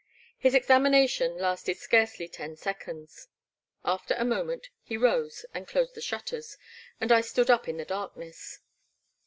His examination lasted scarcely ten seconds. After a moment he rose and closed the shutters, and I stood up in the darkness.